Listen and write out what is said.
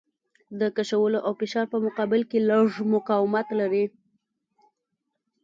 د کشولو او فشار په مقابل کې لږ مقاومت لري.